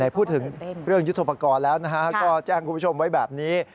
พูดถึงเรื่องยุทธโปรกรณ์แล้วก็แจ้งคุณผู้ชมไว้แบบนี้